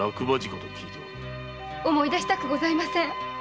思い出したくございません！